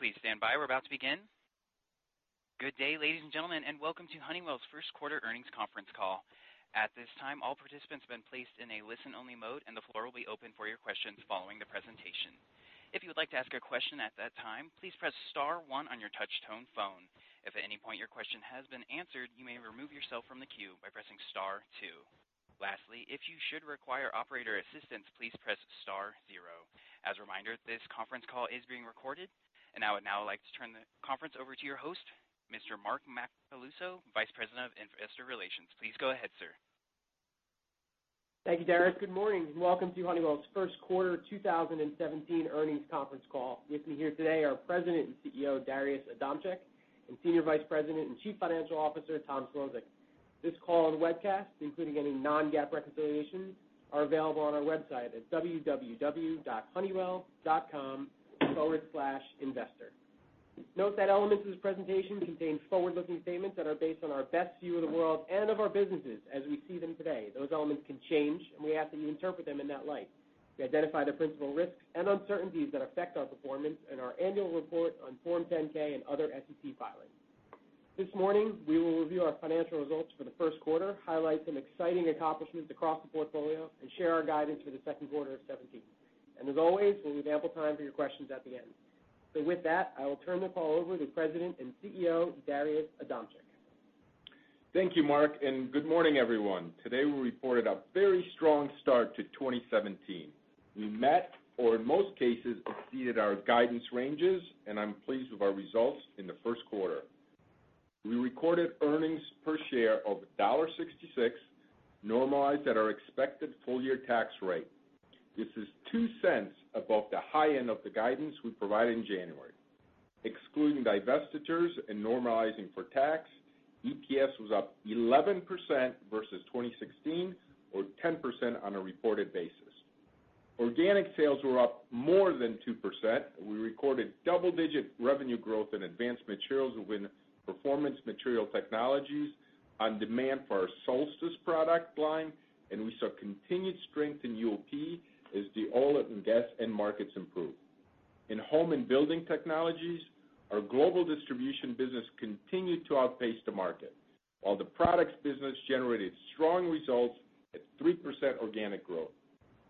Please stand by. We're about to begin. Good day, ladies and gentlemen, welcome to Honeywell's first quarter earnings conference call. At this time, all participants have been placed in a listen-only mode, the floor will be open for your questions following the presentation. If you would like to ask a question at that time, please press star one on your touch-tone phone. If at any point your question has been answered, you may remove yourself from the queue by pressing star two. Lastly, if you should require operator assistance, please press star zero. As a reminder, this conference call is being recorded. I would now like to turn the conference over to your host, Mr. Mark Macaluso, Vice President of Investor Relations. Please go ahead, sir. Thank you, Derek. Good morning, welcome to Honeywell's first quarter 2017 earnings conference call. With me here today are President and CEO, Darius Adamczyk, and Senior Vice President and Chief Financial Officer, Tom Szlosek. This call and webcast, including any non-GAAP reconciliations, are available on our website at www.honeywell.com/investor. Note that elements of this presentation contain forward-looking statements that are based on our best view of the world and of our businesses as we see them today. Those elements can change, we ask that you interpret them in that light. We identify the principal risks and uncertainties that affect our performance in our annual report on Form 10-K and other SEC filings. This morning, we will review our financial results for the first quarter, highlight some exciting accomplishments across the portfolio, share our guidance for the second quarter of 2017. As always, we'll leave ample time for your questions at the end. With that, I will turn the call over to President and CEO, Darius Adamczyk. Thank you, Mark. Good morning, everyone. Today, we reported a very strong start to 2017. We met, or in most cases, exceeded our guidance ranges, I'm pleased with our results in the first quarter. We recorded earnings per share of $1.66, normalized at our expected full-year tax rate. This is $0.02 above the high end of the guidance we provided in January. Excluding divestitures and normalizing for tax, EPS was up 11% versus 2016, or 10% on a reported basis. Organic sales were up more than 2%, we recorded double-digit revenue growth in advanced materials within Performance Materials and Technologies on demand for our Solstice product line, we saw continued strength in UOP as the oil and gas end markets improve. In Home and Building Technologies, our global distribution business continued to outpace the market, while the products business generated strong results at 3% organic growth.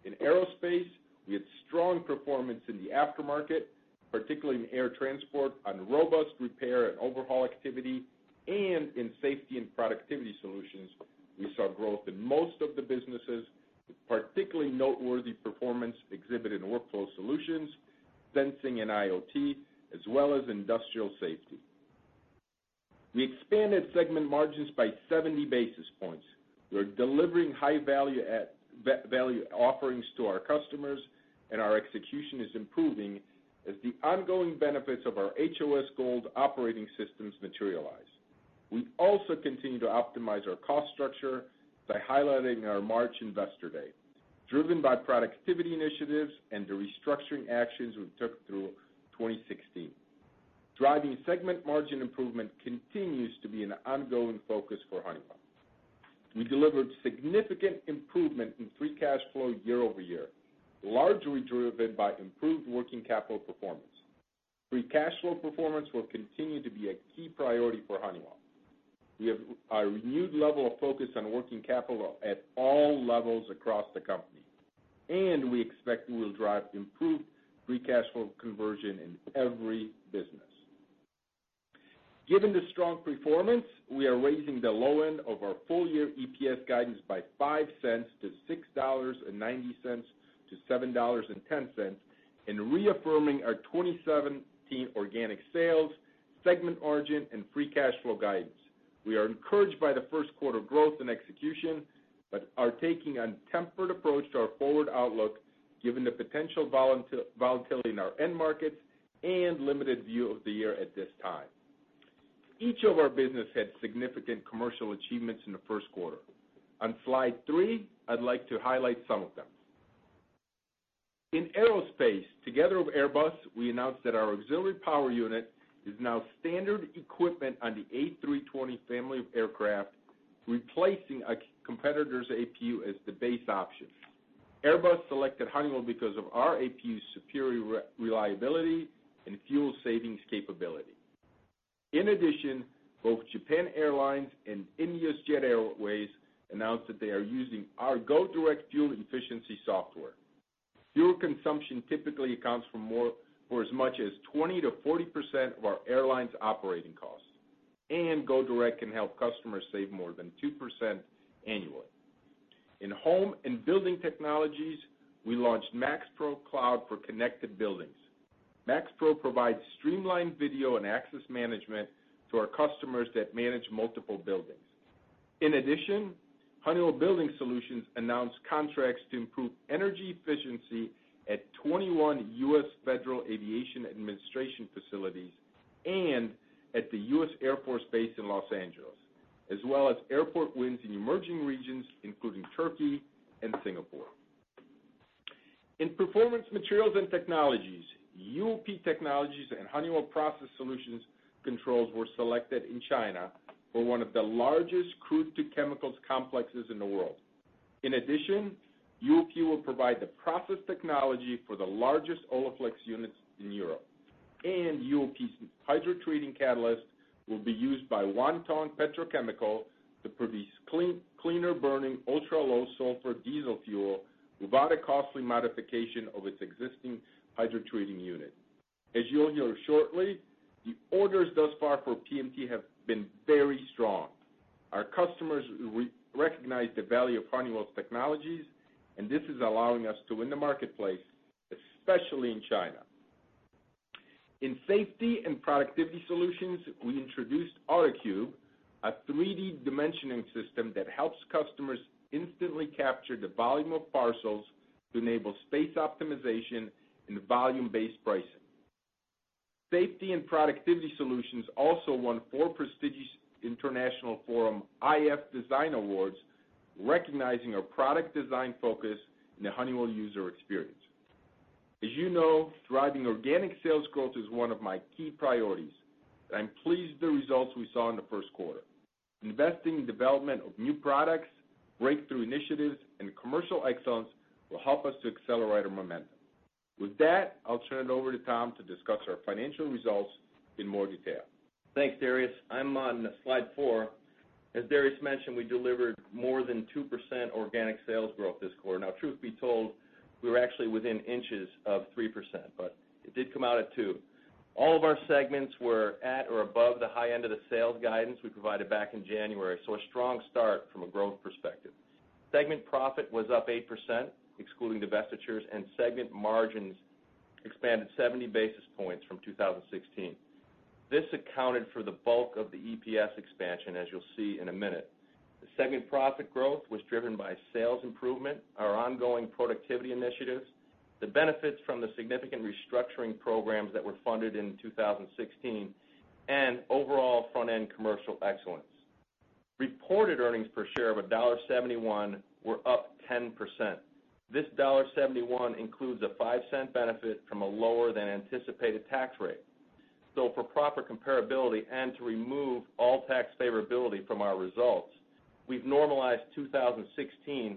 In Aerospace, we had strong performance in the aftermarket, particularly in air transport, on robust repair and overhaul activity. In Safety and Productivity Solutions, we saw growth in most of the businesses, with particularly noteworthy performance exhibited in workflow solutions, sensing and IoT, as well as industrial safety. We expanded segment margins by 70 basis points. We're delivering high-value offerings to our customers, and our execution is improving as the ongoing benefits of our HOS Gold operating systems materialize. We also continue to optimize our cost structure by highlighting our March Investor Day, driven by productivity initiatives and the restructuring actions we took through 2016. Driving segment margin improvement continues to be an ongoing focus for Honeywell. We delivered significant improvement in free cash flow year-over-year, largely driven by improved working capital performance. Free cash flow performance will continue to be a key priority for Honeywell. We have a renewed level of focus on working capital at all levels across the company. We expect we will drive improved free cash flow conversion in every business. Given the strong performance, we are raising the low end of our full-year EPS guidance by $0.05 to $6.90-$7.10 and reaffirming our 2017 organic sales, segment margin, and free cash flow guidance. We are encouraged by the first quarter growth and execution, but are taking a tempered approach to our forward outlook given the potential volatility in our end markets and limited view of the year at this time. Each of our business had significant commercial achievements in the first quarter. On slide three, I'd like to highlight some of them. In Aerospace, together with Airbus, we announced that our auxiliary power unit is now standard equipment on the A320 family of aircraft, replacing a competitor's APU as the base option. Airbus selected Honeywell because of our APU's superior reliability and fuel savings capability. In addition, both Japan Airlines and India's Jet Airways announced that they are using our GoDirect fuel efficiency software. Fuel consumption typically accounts for as much as 20%-40% of our airline's operating costs. GoDirect can help customers save more than 2% annually. In Home and Building Technologies, we launched MAXPRO Cloud for connected buildings. MAXPRO provides streamlined video and access management to our customers that manage multiple buildings. In addition, Honeywell Building Solutions announced contracts to improve energy efficiency at 21 U.S. Federal Aviation Administration facilities and at the U.S. Air Force base in L.A., as well as airport wins in emerging regions, including Turkey and Singapore. In Performance Materials and Technologies, UOP technologies and Honeywell Process Solutions controls were selected in China for one of the largest crude to chemicals complexes in the world. In addition, UOP will provide the process technology for the largest Oleflex units in Europe. UOP's hydrotreating catalyst will be used by Wanhua Petrochemical to produce cleaner-burning, ultra-low sulfur diesel fuel without a costly modification of its existing hydrotreating unit. As you'll hear shortly, the orders thus far for PMT have been very strong. Our customers recognize the value of Honeywell's technologies, and this is allowing us to win the marketplace, especially in China. In Safety and Productivity Solutions, we introduced R-Cube, a 3D dimensioning system that helps customers instantly capture the volume of parcels to enable space optimization and volume-based pricing. Safety and Productivity Solutions also won four prestigious iF Design Awards, recognizing our product design focus and the Honeywell user experience. As you know, driving organic sales growth is one of my key priorities, and I'm pleased with the results we saw in the first quarter. Investing in development of new products, breakthrough initiatives, and commercial excellence will help us to accelerate our momentum. With that, I'll turn it over to Tom to discuss our financial results in more detail. Thanks, Darius. I'm on slide four. As Darius mentioned, we delivered more than 2% organic sales growth this quarter. Now, truth be told, we were actually within inches of 3%, but it did come out at 2%. All of our segments were at or above the high end of the sales guidance we provided back in January. A strong start from a growth perspective. Segment profit was up 8%, excluding divestitures, and segment margins expanded 70 basis points from 2016. This accounted for the bulk of the EPS expansion, as you'll see in a minute. The segment profit growth was driven by sales improvement, our ongoing productivity initiatives, the benefits from the significant restructuring programs that were funded in 2016, and overall front-end commercial excellence. Reported earnings per share of $1.71 were up 10%. This $1.71 includes a $0.05 benefit from a lower than anticipated tax rate. For proper comparability and to remove all tax favorability from our results, we've normalized 2016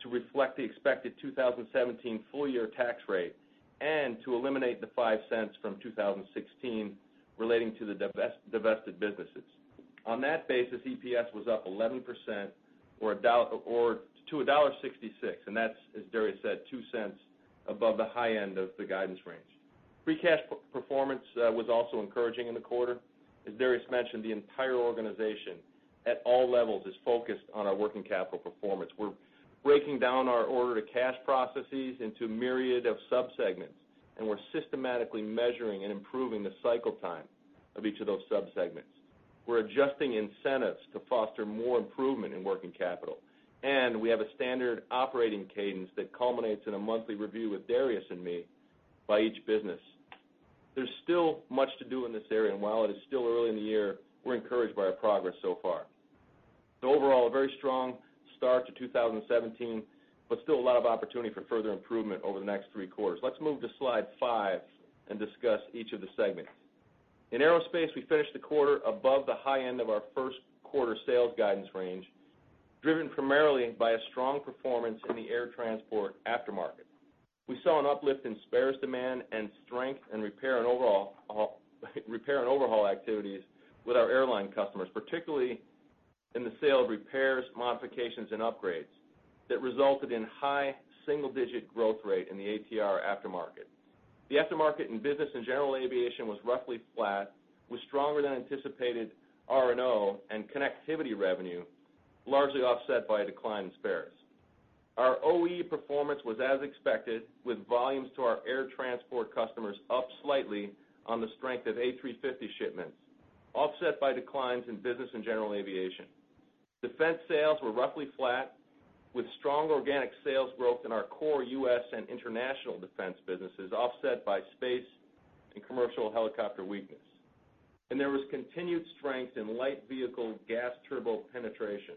to reflect the expected 2017 full-year tax rate and to eliminate the $0.05 from 2016 relating to the divested businesses. On that basis, EPS was up 11% to $1.66, and that's, as Darius said, $0.02 above the high end of the guidance range. Free cash performance was also encouraging in the quarter. As Darius mentioned, the entire organization at all levels is focused on our working capital performance. We're breaking down our order to cash processes into a myriad of subsegments, and we're systematically measuring and improving the cycle time of each of those subsegments. We're adjusting incentives to foster more improvement in working capital, and we have a standard operating cadence that culminates in a monthly review with Darius and me by each business. There's still much to do in this area, and while it is still early in the year, we're encouraged by our progress so far. Overall, a very strong start to 2017, but still a lot of opportunity for further improvement over the next three quarters. Let's move to slide five and discuss each of the segments. In aerospace, we finished the quarter above the high end of our first quarter sales guidance range, driven primarily by a strong performance in the air transport aftermarket. We saw an uplift in spares demand and strength in repair and overhaul activities with our airline customers, particularly in the sale of repairs, modifications, and upgrades that resulted in high single-digit growth rate in the ATR aftermarket. The aftermarket in business and general aviation was roughly flat, with stronger than anticipated R&O and connectivity revenue, largely offset by a decline in spares. Our OE performance was as expected, with volumes to our air transport customers up slightly on the strength of A350 shipments, offset by declines in business and general aviation. Defense sales were roughly flat, with strong organic sales growth in our core U.S. and international defense businesses, offset by space and commercial helicopter weakness. There was continued strength in light vehicle gas turbo penetration,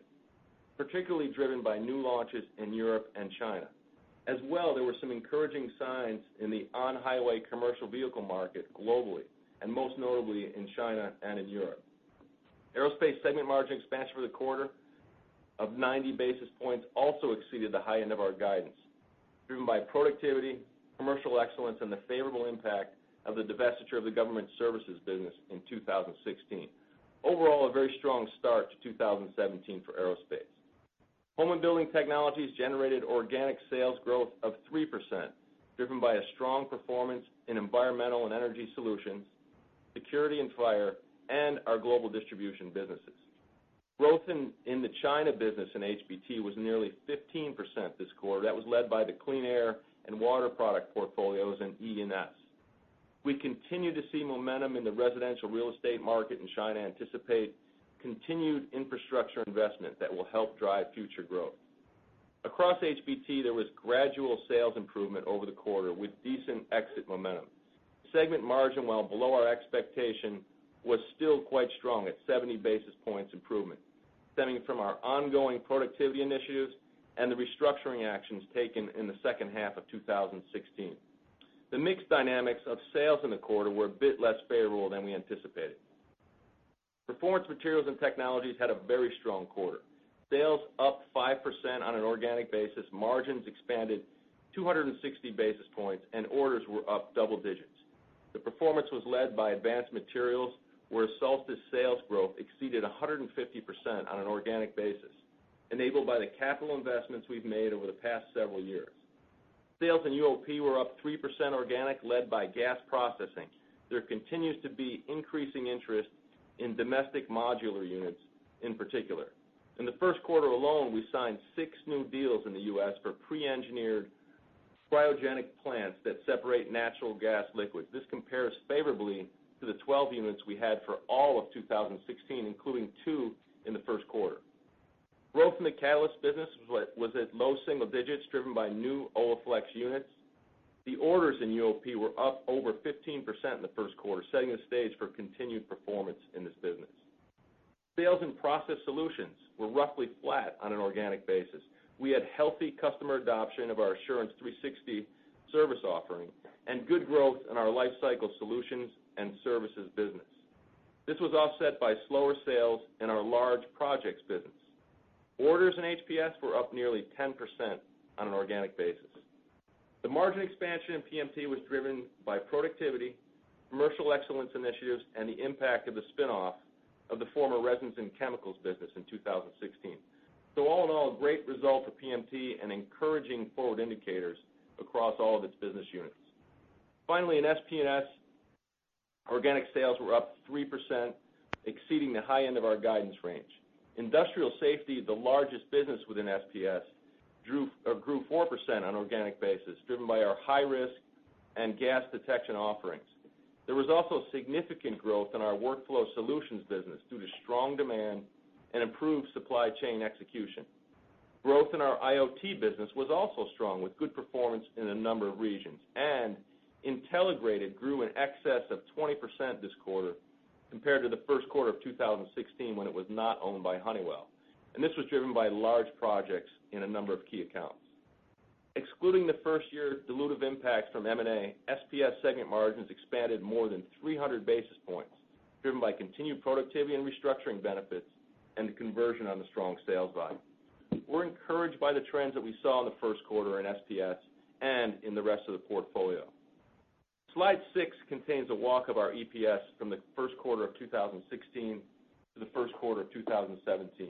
particularly driven by new launches in Europe and China. As well, there were some encouraging signs in the on-highway commercial vehicle market globally, and most notably in China and in Europe. Aerospace segment margin expansion for the quarter of 90 basis points also exceeded the high end of our guidance, driven by productivity, commercial excellence, and the favorable impact of the divestiture of the government services business in 2016. Overall, a very strong start to 2017 for Aerospace. Home and Building Technologies generated organic sales growth of 3%, driven by a strong performance in Energy and Sustainability Solutions, security and fire, and our global distribution businesses. Growth in the China business in HBT was nearly 15% this quarter. That was led by the clean air and water product portfolios in E&S. We continue to see momentum in the residential real estate market in China, anticipate continued infrastructure investment that will help drive future growth. Across HBT, there was gradual sales improvement over the quarter with decent exit momentum. Segment margin, while below our expectation, was still quite strong at 70 basis points improvement, stemming from our ongoing productivity initiatives and the restructuring actions taken in the second half of 2016. The mix dynamics of sales in the quarter were a bit less favorable than we anticipated. Performance Materials and Technologies had a very strong quarter. Sales up 5% on an organic basis, margins expanded 260 basis points, and orders were up double digits. The performance was led by advanced materials, where Solstice sales growth exceeded 150% on an organic basis, enabled by the capital investments we've made over the past several years. Sales in UOP were up 3% organic, led by gas processing. There continues to be increasing interest in domestic modular units, in particular. In the first quarter alone, we signed 6 new deals in the U.S. for pre-engineered cryogenic plants that separate natural gas liquids. This compares favorably to the 12 units we had for all of 2016, including 2% in the first quarter. Growth in the catalyst business was at low single digits, driven by new Oleflex units. The orders in UOP were up over 15% in the first quarter, setting the stage for continued performance in this business. Sales in Process Solutions were roughly flat on an organic basis. We had healthy customer adoption of our Assurance 360 service offering and good growth in our lifecycle solutions and services business. This was offset by slower sales in our large projects business. Orders in HPS were up nearly 10% on an organic basis. The margin expansion in PMT was driven by productivity, commercial excellence initiatives, and the impact of the spin-off of the former resins and chemicals business in 2016. All in all, great result for PMT and encouraging forward indicators across all of its business units. Finally, in SPS, organic sales were up 3%, exceeding the high end of our guidance range. Industrial safety, the largest business within SPS, grew 4% on an organic basis, driven by our high risk and gas detection offerings. There was also significant growth in our workflow solutions business due to strong demand and improved supply chain execution. Growth in our IoT business was also strong, with good performance in a number of regions. Intelligrated grew in excess of 20% this quarter compared to the first quarter of 2016, when it was not owned by Honeywell. This was driven by large projects in a number of key accounts. Excluding the first-year dilutive impacts from M&A, SPS segment margins expanded more than 300 basis points, driven by continued productivity and restructuring benefits and the conversion on the strong sales volume. We're encouraged by the trends that we saw in the first quarter in SPS and in the rest of the portfolio. Slide six contains a walk of our EPS from the first quarter of 2016 to the first quarter of 2017.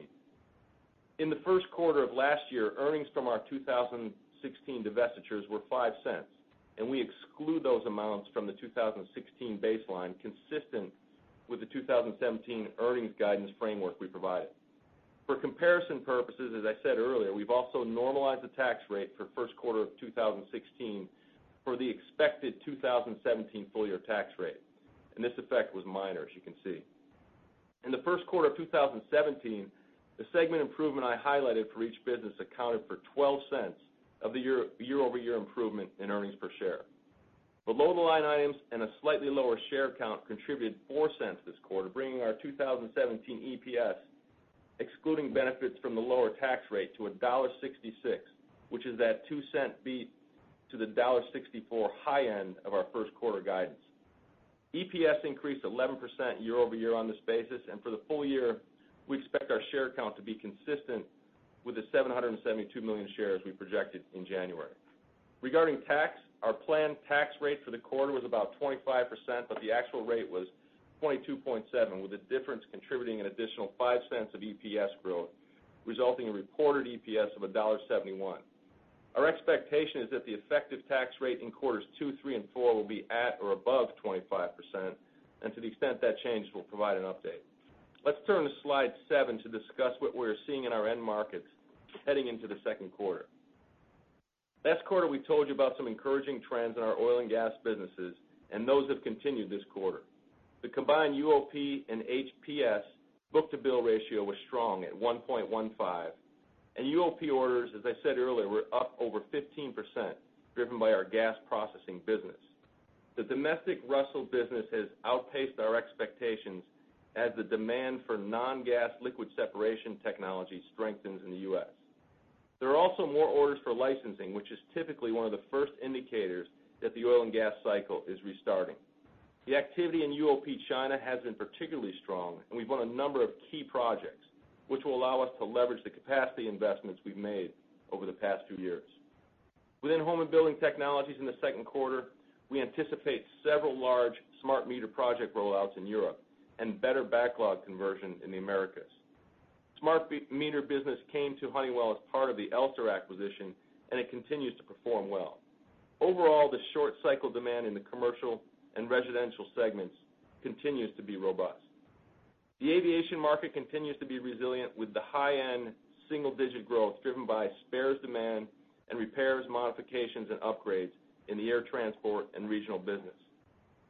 In the first quarter of last year, earnings from our 2016 divestitures were $0.05. We exclude those amounts from the 2016 baseline, consistent with the 2017 earnings guidance framework we provided. For comparison purposes, as I said earlier, we've also normalized the tax rate for first quarter of 2016 for the expected 2017 full-year tax rate. This effect was minor, as you can see. In the first quarter of 2017, the segment improvement I highlighted for each business accounted for $0.12 of the year-over-year improvement in earnings per share. Below-the-line items and a slightly lower share count contributed $0.04 this quarter, bringing our 2017 EPS, excluding benefits from the lower tax rate, to $1.66, which is that $0.02 beat to the $1.64 high end of our first quarter guidance. EPS increased 11% year-over-year on this basis. For the full year, we expect our share count to be consistent with the 772 million shares we projected in January. Regarding tax, our planned tax rate for the quarter was about 25%. The actual rate was 22.7%, with the difference contributing an additional $0.05 of EPS growth, resulting in reported EPS of $1.71. Our expectation is that the effective tax rate in quarters two, three, and four will be at or above 25%. To the extent that changes, we'll provide an update. Let's turn to slide seven to discuss what we're seeing in our end markets heading into the second quarter. Last quarter, we told you about some encouraging trends in our oil and gas businesses. Those have continued this quarter. The combined UOP and HPS book-to-bill ratio was strong at 1.15. UOP orders, as I said earlier, were up over 15%, driven by our gas processing business. The domestic Russell business has outpaced our expectations as the demand for non-gas liquid separation technology strengthens in the U.S. There are also more orders for licensing, which is typically one of the first indicators that the oil and gas cycle is restarting. The activity in UOP China has been particularly strong. We've won a number of key projects, which will allow us to leverage the capacity investments we've made over the past two years. Within Home and Building Technologies in the second quarter, we anticipate several large smart meter project rollouts in Europe. Better backlog conversion in the Americas. Smart meter business came to Honeywell as part of the Elster acquisition. It continues to perform well. Overall, the short cycle demand in the commercial and residential segments continues to be robust. The aviation market continues to be resilient with the high-end single-digit growth driven by spares demand and repairs, modifications, and upgrades in the air transport and regional business.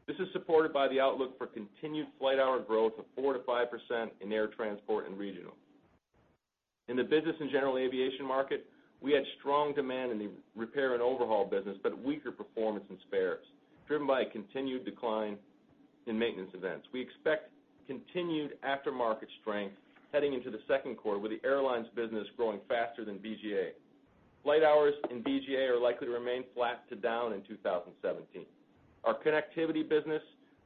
This is supported by the outlook for continued flight hour growth of 4%-5% in air transport and regional. In the business and general aviation market, we had strong demand in the repair and overhaul business, but weaker performance in spares, driven by a continued decline in maintenance events. We expect continued aftermarket strength heading into the second quarter, with the airlines business growing faster than BGA. Flight hours in BGA are likely to remain flat to down in 2017. Our connectivity business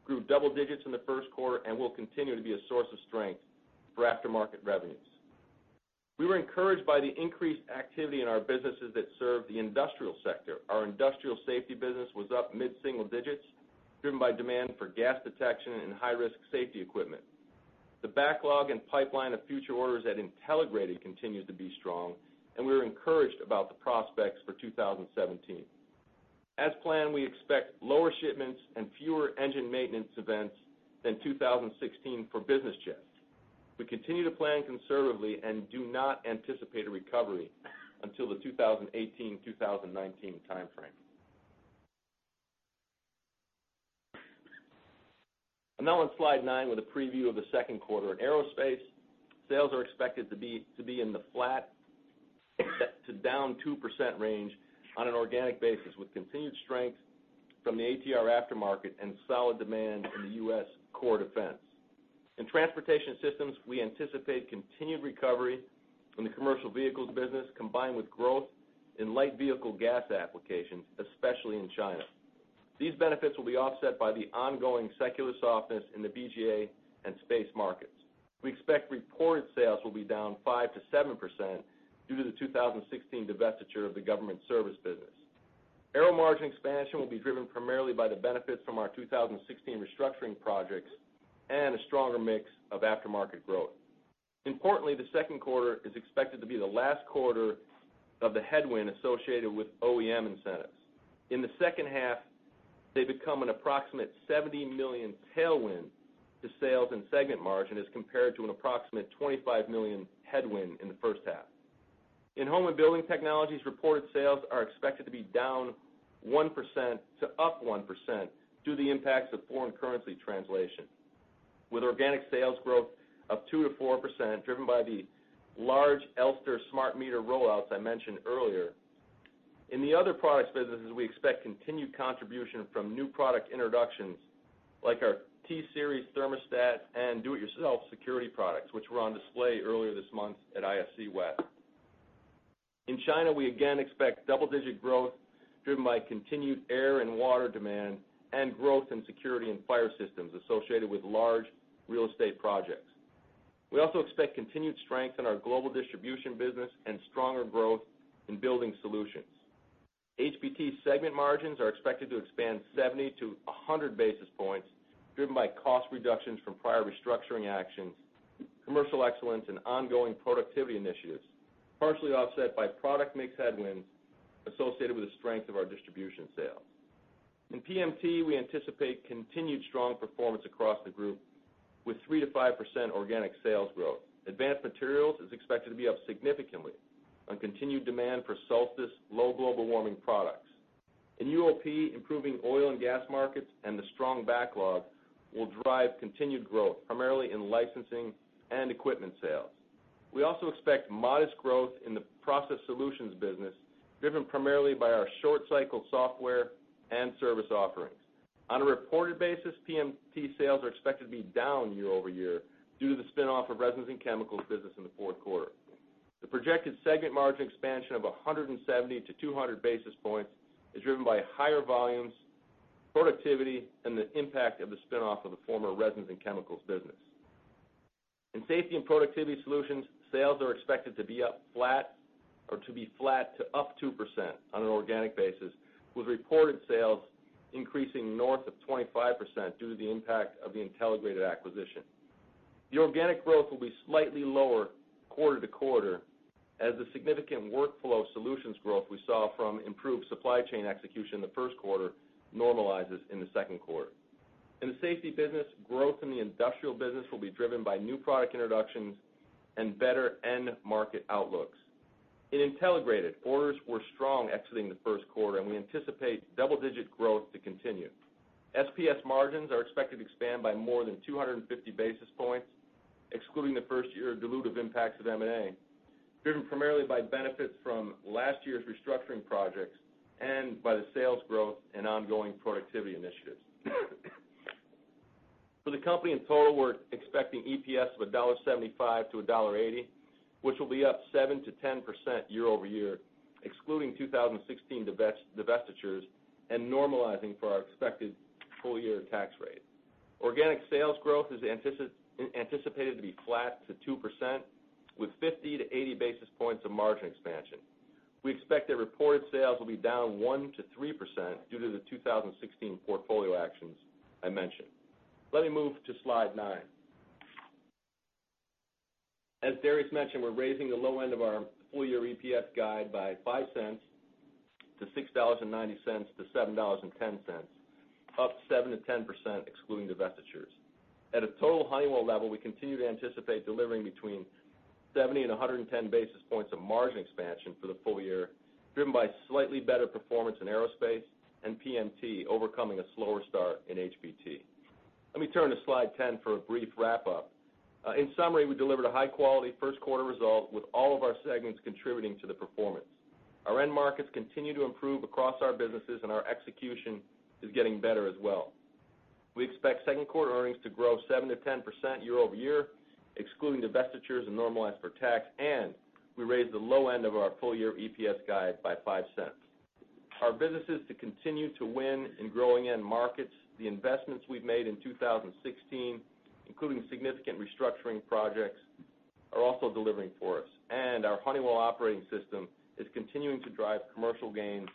grew double digits in the first quarter and will continue to be a source of strength for aftermarket revenues. We were encouraged by the increased activity in our businesses that serve the industrial sector. Our industrial safety business was up mid-single digits, driven by demand for gas detection and high-risk safety equipment. The backlog and pipeline of future orders at Intelligrated continues to be strong, and we are encouraged about the prospects for 2017. As planned, we expect lower shipments and fewer engine maintenance events than 2016 for business jets. We continue to plan conservatively and do not anticipate a recovery until the 2018-2019 timeframe. I'm now on slide nine with a preview of the second quarter. In aerospace, sales are expected to be in the flat to down 2% range on an organic basis, with continued strength from the ATR aftermarket and solid demand in the U.S. Core Defense. In transportation systems, we anticipate continued recovery from the commercial vehicles business, combined with growth in light vehicle gas applications, especially in China. These benefits will be offset by the ongoing secular softness in the BGA and space markets. We expect reported sales will be down 5%-7% due to the 2016 divestiture of the government service business. Aero margin expansion will be driven primarily by the benefits from our 2016 restructuring projects and a stronger mix of aftermarket growth. Importantly, the second quarter is expected to be the last quarter of the headwind associated with OEM incentives. In the second half, they become an approximate $70 million tailwind to sales and segment margin as compared to an approximate $25 million headwind in the first half. In home and building technologies, reported sales are expected to be down 1%-1% due to the impacts of foreign currency translation, with organic sales growth of 2%-4%, driven by the large Elster smart meter rollouts I mentioned earlier. In the other products businesses, we expect continued contribution from new product introductions like our T-Series thermostat and do-it-yourself security products, which were on display earlier this month at ISC West. In China, we again expect double-digit growth driven by continued air and water demand and growth in security and fire systems associated with large real estate projects. We also expect continued strength in our global distribution business and stronger growth in building solutions. HBT segment margins are expected to expand 70-100 basis points, driven by cost reductions from prior restructuring actions, commercial excellence, and ongoing productivity initiatives, partially offset by product mix headwinds associated with the strength of our distribution sales. In PMT, we anticipate continued strong performance across the group, with 3%-5% organic sales growth. Advanced Materials is expected to be up significantly on continued demand for Solstice low global warming products. In UOP, improving oil and gas markets and the strong backlog will drive continued growth, primarily in licensing and equipment sales. We also expect modest growth in the process solutions business, driven primarily by our short-cycle software and service offerings. On a reported basis, PMT sales are expected to be down year-over-year due to the spin-off of resins and chemicals business in the fourth quarter. The projected segment margin expansion of 170 to 200 basis points is driven by higher volumes, productivity, and the impact of the spin-off of the former resins and chemicals business. In Safety and Productivity Solutions, sales are expected to be flat to up 2% on an organic basis, with reported sales increasing north of 25% due to the impact of the Intelligrated acquisition. The organic growth will be slightly lower quarter-to-quarter as the significant workflow solutions growth we saw from improved supply chain execution in the first quarter normalizes in the second quarter. In the safety business, growth in the industrial business will be driven by new product introductions and better end market outlooks. In Intelligrated, orders were strong exiting the first quarter, and we anticipate double-digit growth to continue. SPS margins are expected to expand by more than 250 basis points, excluding the first-year dilutive impacts of M&A, driven primarily by benefits from last year's restructuring projects and by the sales growth and ongoing productivity initiatives. For the company in total, we're expecting EPS of $1.75-$1.80, which will be up 7%-10% year-over-year, excluding 2016 divestitures and normalizing for our expected full-year tax rate. Organic sales growth is anticipated to be flat to 2%, with 50 to 80 basis points of margin expansion. We expect that reported sales will be down 1%-3% due to the 2016 portfolio actions I mentioned. Let me move to slide nine. As Darius mentioned, we're raising the low end of our full-year EPS guide by $0.05 to $6.90-$7.10, up 7%-10%, excluding divestitures. At a total Honeywell level, we continue to anticipate delivering between 70 and 110 basis points of margin expansion for the full year, driven by slightly better performance in aerospace and PMT, overcoming a slower start in HBT. Let me turn to slide 10 for a brief wrap-up. In summary, we delivered a high-quality first quarter result, with all of our segments contributing to the performance. Our end markets continue to improve across our businesses, and our execution is getting better as well. We expect second quarter earnings to grow 7%-10% year-over-year, excluding divestitures and normalized for tax, and we raised the low end of our full year EPS guide by $0.05. Our business is to continue to win in growing end markets. The investments we've made in 2016, including significant restructuring projects, are also delivering for us. Our Honeywell operating system is continuing to drive commercial gains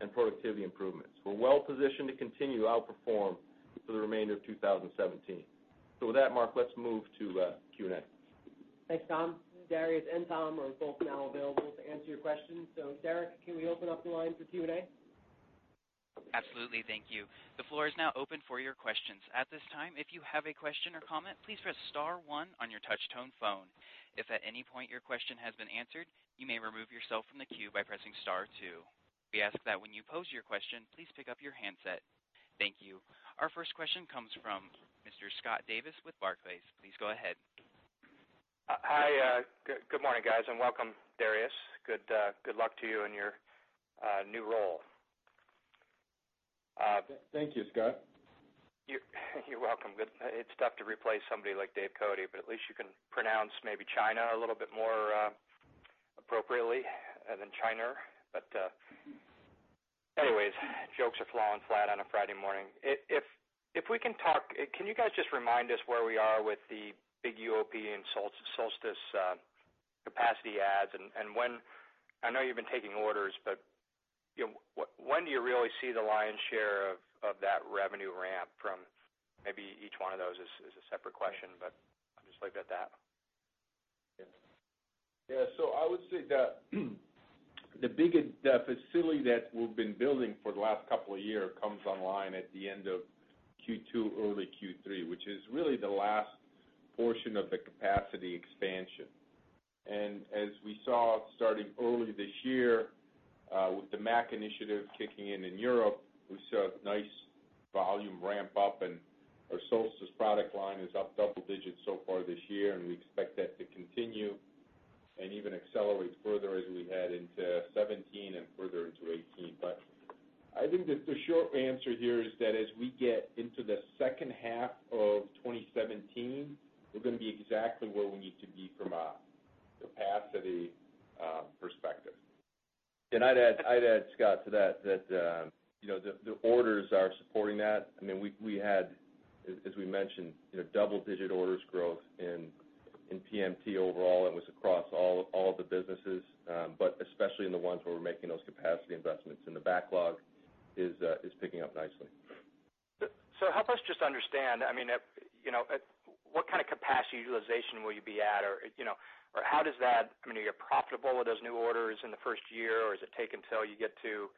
and productivity improvements. We're well positioned to continue to outperform for the remainder of 2017. With that, Mark, let's move to Q&A. Thanks, Tom. Darius and Tom are both now available to answer your questions. Derek, can we open up the line for Q&A? Absolutely, thank you. The floor is now open for your questions. At this time, if you have a question or comment, please press star one on your touch tone phone. If at any point your question has been answered, you may remove yourself from the queue by pressing star two. We ask that when you pose your question, please pick up your handset. Thank you. Our first question comes from Mr. Scott Davis with Barclays. Please go ahead. Hi. Good morning, guys, and welcome, Darius. Good luck to you in your new role. Thank you, Scott. You're welcome. It's tough to replace somebody like Dave Cote, but at least you can pronounce maybe China a little bit more appropriately than China. Anyways, jokes are flowing flat on a Friday morning. If we can talk, can you guys just remind us where we are with the big UOP and Solstice capacity adds and when I know you've been taking orders, when do you really see the lion's share of that revenue ramp from maybe each one of those is a separate question, I'll just leave it at that. I would say that the biggest facility that we've been building for the last couple of years comes online at the end of Q2, early Q3, which is really the last portion of the capacity expansion. As we saw starting early this year with the MAC initiative kicking in in Europe, we saw a nice volume ramp up, our Solstice product line is up double digits so far this year. We expect that to continue and even accelerate further as we head into 2017 and further into 2018. I think that the short answer here is that as we get into the second half of 2017, we're going to be exactly where we need to be from a capacity perspective. I'd add, Scott, to that the orders are supporting that. We had, as we mentioned, double digit orders growth in PMT overall. It was across all of the businesses, especially in the ones where we're making those capacity investments, the backlog is picking up nicely. help us just understand, what kind of capacity utilization will you be at? Or I mean, are you profitable with those new orders in the first year, or does it take until you get to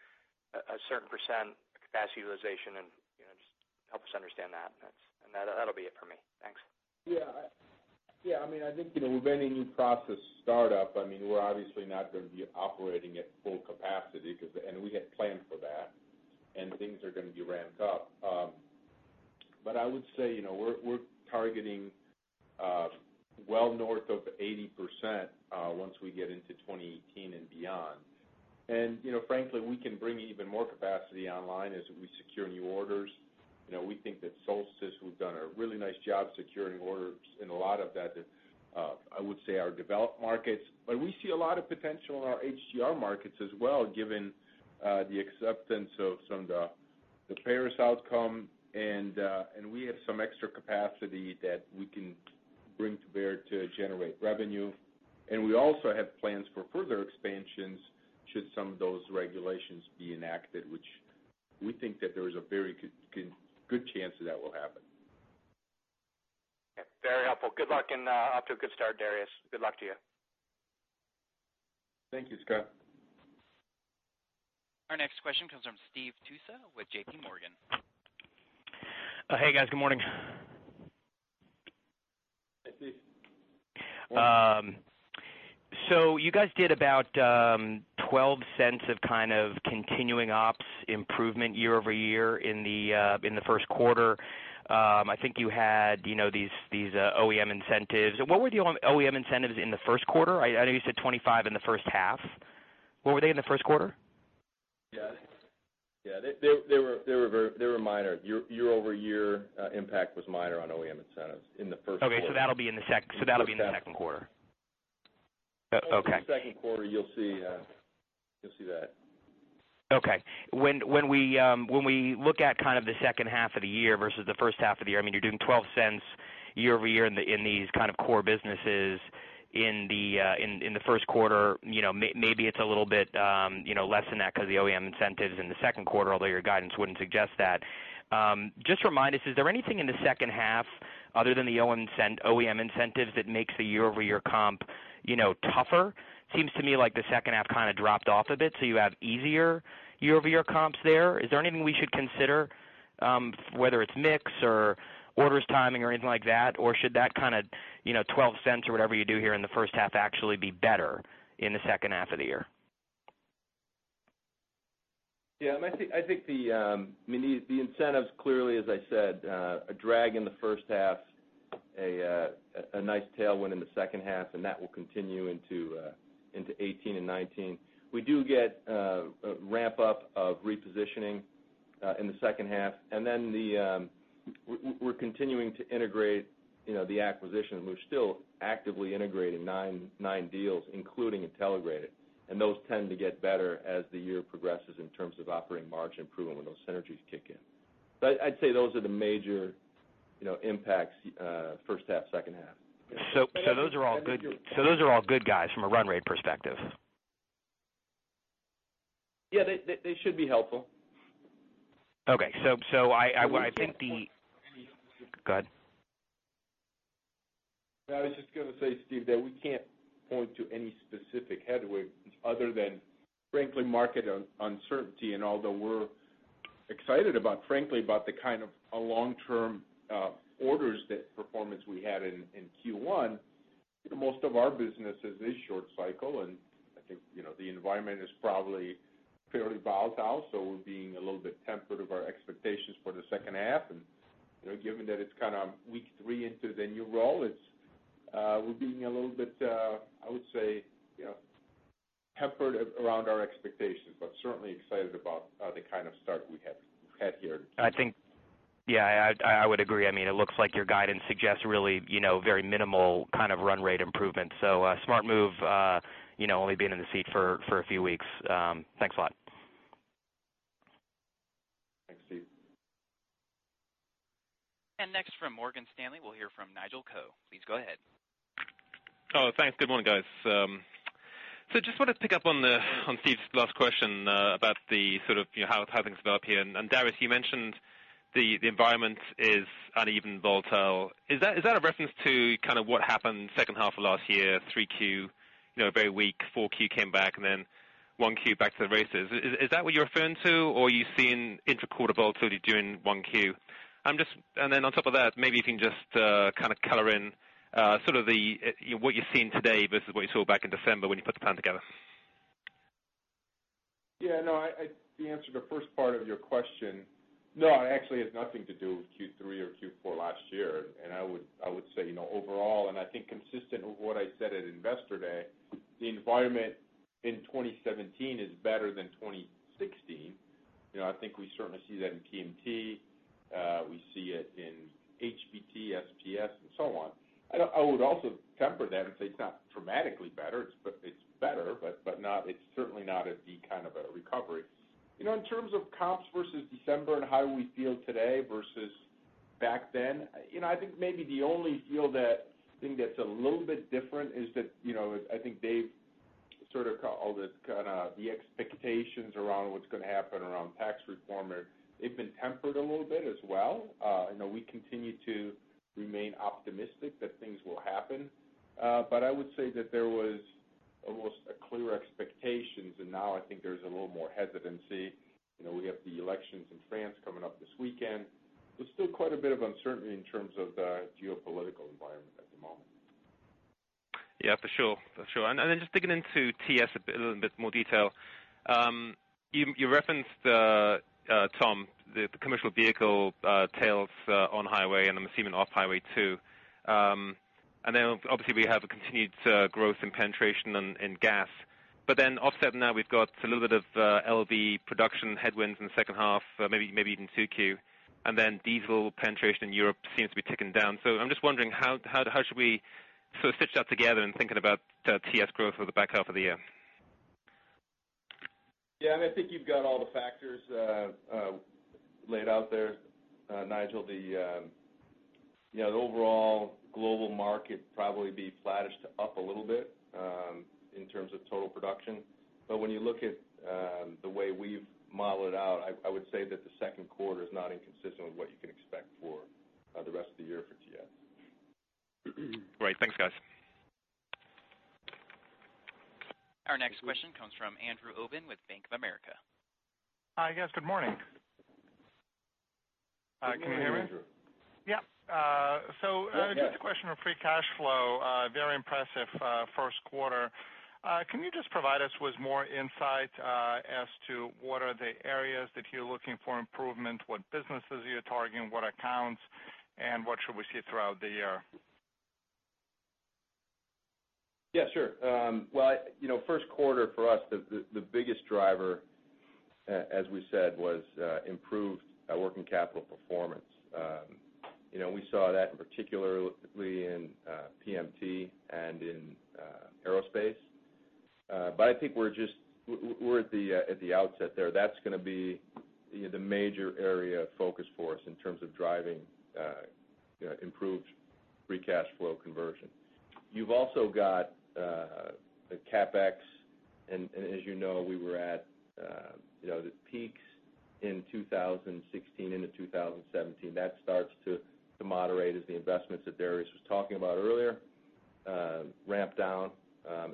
a certain % capacity utilization, and just help us understand that. That'll be it for me. Thanks. Yeah. I think, with any new process startup, we're obviously not going to be operating at full capacity, and we had planned for that, and things are going to be ramped up. I would say, we're targeting well north of 80% once we get into 2018 and beyond. Frankly, we can bring even more capacity online as we secure new orders. We think that Solstice, we've done a really nice job securing orders in a lot of that, I would say, our developed markets. But we see a lot of potential in our HGR markets as well, given the acceptance of some of the Paris outcome, and we have some extra capacity that we can bring to bear to generate revenue. We also have plans for further expansions should some of those regulations be enacted, which we think that there is a very good chance that that will happen. Very helpful. Good luck and off to a good start, Darius. Good luck to you. Thank you, Scott. Our next question comes from Steve Tusa with JPMorgan. Hey, guys. Good morning. Hey, Steve. You guys did about $0.12 of kind of continuing ops improvement year-over-year in the first quarter. I think you had these OEM incentives. What were the OEM incentives in the first quarter? I know you said $0.25 in the first half. What were they in the first quarter? Yeah. They were minor. Year-over-year impact was minor on OEM incentives in the first quarter. Okay. That'll be in the second quarter. Okay. Second quarter, you'll see that. Okay. When we look at kind of the second half of the year versus the first half of the year, you're doing $0.12 year-over-year in these kind of core businesses in the first quarter. Maybe it's a little bit less than that because the OEM incentives in the second quarter, although your guidance wouldn't suggest that. Just remind us, is there anything in the second half other than the OEM incentives that makes the year-over-year comp tougher? Seems to me like the second half kind of dropped off a bit, you have easier year-over-year comps there. Is there anything we should consider, whether it's mix or orders timing or anything like that? Should that kind of $0.12 or whatever you do here in the first half actually be better in the second half of the year? Yeah, I think the incentives, clearly, as I said, a drag in the first half. A nice tailwind in the second half, and that will continue into 2018 and 2019. We do get a ramp-up of repositioning in the second half, and then we're continuing to integrate the acquisition. We're still actively integrating nine deals, including Intelligrated, and those tend to get better as the year progresses in terms of operating margin improvement when those synergies kick in. I'd say those are the major impacts, first half, second half. Those are all good guys from a run rate perspective? Yeah. They should be helpful. Okay. I think. We can't point to any. Go ahead. No, I was just going to say, Steve, that we can't point to any specific headwind other than, frankly, market uncertainty. Although we're excited about, frankly, the kind of long-term orders that performance we had in Q1, most of our businesses is short cycle, and I think the environment is probably fairly volatile. We're being a little bit temperate of our expectations for the second half. Given that it's kind of week three into the new role, we're being a little bit, I would say, tempered around our expectations, but certainly excited about the kind of start we've had here. I think, yeah, I would agree. It looks like your guidance suggests really very minimal kind of run rate improvement. Smart move only being in the seat for a few weeks. Thanks a lot. Thanks, Steve. Next from Morgan Stanley, we'll hear from Nigel Coe. Please go ahead. Thanks. Good morning, guys. Just want to pick up on Steve's last question about how things develop here. Darius, you mentioned the environment is uneven, volatile. Is that a reference to what happened second half of last year, 3Q, very weak, 4Q came back, and then 1Q back to the races. Is that what you're referring to, or are you seeing inter-quarter volatility during 1Q? On top of that, maybe you can just kind of color in what you're seeing today versus what you saw back in December when you put the plan together. Yeah, no, to answer the first part of your question, no, it actually has nothing to do with Q3 or Q4 last year. I would say overall, and I think consistent with what I said at Investor Day, the environment in 2017 is better than 2016. I think we certainly see that in PMT. We see it in HBT, SPS, and so on. I would also temper that and say it's not dramatically better. It's better, it's certainly not at the kind of a recovery. In terms of comps versus December and how we feel today versus back then, I think maybe the only field that I think that's a little bit different is that I think Dave sort of called it the expectations around what's going to happen around tax reform, they've been tempered a little bit as well. I know we continue to remain optimistic that things will happen. I would say that there was almost a clear expectation, now I think there's a little more hesitancy. We have the elections in France coming up this weekend. There's still quite a bit of uncertainty in terms of the geopolitical environment at the moment. Yeah, for sure. Just digging into TS a little bit more detail. You referenced, Tom, the commercial vehicle tails on highway, I'm assuming off-highway, too. Obviously we have a continued growth in penetration in gas. Offsetting that, we've got a little bit of LV production headwinds in the second half, maybe even 2Q, diesel penetration in Europe seems to be ticking down. I'm just wondering how should we sort of stitch that together in thinking about TS growth for the back half of the year? Yeah, I think you've got all the factors laid out there, Nigel. The overall global market probably be flattish to up a little bit in terms of total production. When you look at the way we've modeled it out, I would say that the second quarter is not inconsistent with what you can expect for the rest of the year for TS. Great. Thanks, guys. Our next question comes from Andrew Obin with Bank of America. Hi, guys. Good morning. Good morning, Andrew. Can you hear me? Yeah. Just a question on free cash flow. Very impressive first quarter. Can you just provide us with more insight as to what are the areas that you're looking for improvement, what businesses you're targeting, what accounts, and what should we see throughout the year? Yeah, sure. First quarter for us, the biggest driver, as we said, was improved working capital performance. We saw that particularly in PMT and in aerospace. I think we're at the outset there. That's going to be the major area of focus for us in terms of driving improved free cash flow conversion. You've also got the CapEx, as you know, we were at the peaks in 2016 into 2017. That starts to moderate as the investments that Darius was talking about earlier ramp down,